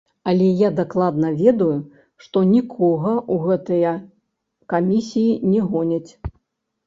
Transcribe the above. Але я дакладна ведаю, што нікога ў гэтыя камісіі не гоняць.